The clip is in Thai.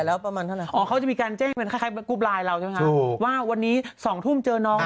แล้วแต่เขานัดกันในครูป